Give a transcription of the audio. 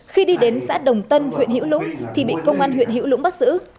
khi đi đến xã đồng tân huyện hữu lũng thì bị công an huyện hữu lũng bắt giữ